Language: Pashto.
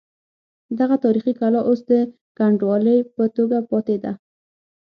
دغه تاریخي کلا اوس د کنډوالې په توګه پاتې ده.